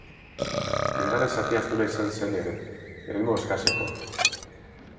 Bigarren zatia astuna izan zen ere, erritmo eskasekoa.